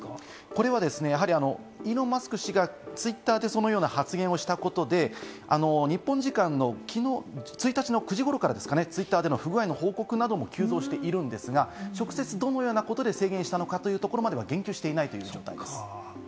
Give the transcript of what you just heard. これはイーロン・マスク氏がＴｗｉｔｔｅｒでそのような発言をしたことで、日本時間の１日の９時ごろから不具合の報告なども急増しているんですが、直接どのようなことで制限したのかというところまでは言及していない状況です。